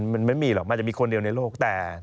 มันไม่มีหรอกมันจะมีคนเดียวในโลกแต่